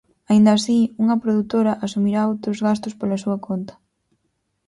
Aínda así, unha produtora asumirá outros gastos pola súa conta.